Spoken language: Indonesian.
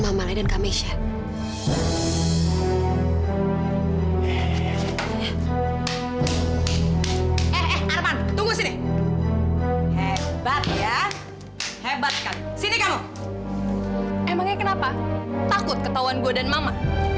emangnya kenapa takut ketauan gue dan mama